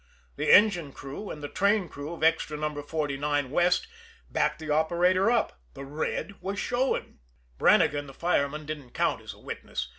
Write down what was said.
The engine crew and the train crew of Extra No. 49, west, backed the operator up the red was showing. Brannigan, the fireman, didn't count as a witness.